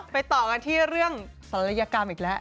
ต่อกันที่เรื่องศัลยกรรมอีกแล้ว